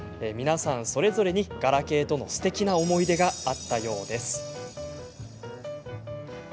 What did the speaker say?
皆さんそれぞれに、ガラケーとのすてきな思い出があったようです。